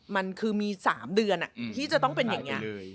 มันคือมี๓เดือนที่จะต้องเป็นอย่างนี้